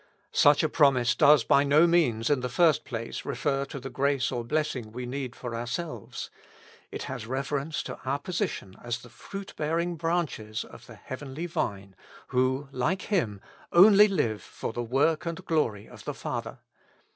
Such a promise does by no means, in the first place, refer to the grace or blessing we need for ourselves. It has reference to our position as the fruit bearing branches 146 With Christ in the School of Prayer. of the Heavenly Vine, who, like Him, only live for the work and glory of the Father.